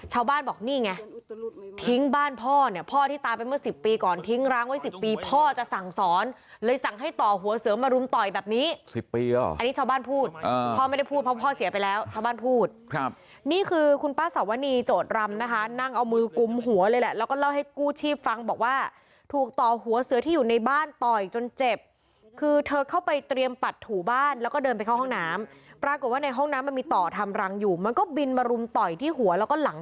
ชาวบ้านบอกนี่ไงทิ้งบ้านพ่อเนี้ยพ่อที่ตายไปเมื่อสิบปีก่อนทิ้งรังไว้สิบปีพ่อจะสั่งสอนเลยสั่งให้ต่อหัวเสือมารุมต่อยแบบนี้สิบปีอ่ะอันนี้ชาวบ้านพูดอ่าพ่อไม่ได้พูดเพราะพ่อเสียไปแล้วชาวบ้านพูดครับนี่คือคุณป้าสาวนีโจทย์รำนะคะนั่งเอามือกุมหัวเลยแหละแล้วก็เล่าให้กู้ชีพฟังบอกว่า